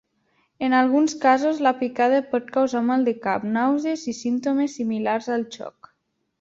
En alguns casos, la picada pot causar mal de cap, nàusees i símptomes similars al xoc.